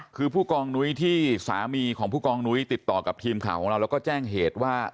คือผู้กองนุ้ยที่สามีของผู้กองนุ้ยติดต่อกับทีมข่าวของเราแล้วก็แจ้งเหตุว่า